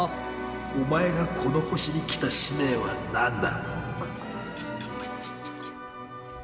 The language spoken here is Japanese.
お前がこの星に来た使命は何だ？